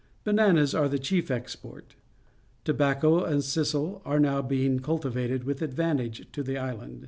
Bananas are the cliief export. T obacc o and~sisar~are now being cultivated with advantage to the island.